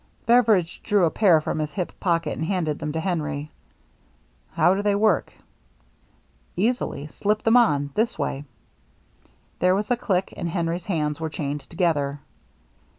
Beveridge drew a pair from his hip pocket, and handed them to Henry. " How do they work ?"" Easily. Slip them on — this way." There was a click and Henry's hands were chained together.